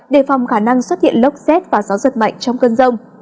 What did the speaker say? đề phòng khả năng xuất hiện lốc xét và gió giật mạnh trong cơn rông